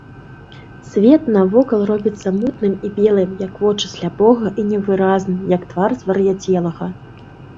Свет навокал робіцца мутным і белым, як вочы сляпога, і невыразным, як твар звар'яцелага.